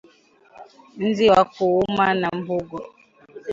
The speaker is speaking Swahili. nzi wa kuuma na Mbungo